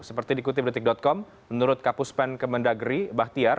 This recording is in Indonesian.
seperti di kutip detik com menurut kapuspen kemendagri bahtiar